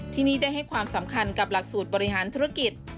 ที่นี่ได้ให้ความสำคัญกับหลักสูตรบริหารธุรกิจ